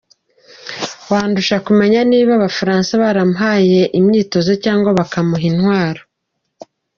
Wandusha kumenya niba Abafaransa baramuhaye imyitozo cyangwa bakamuha intwaro.